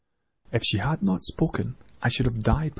"If she had not spoken, I might have died.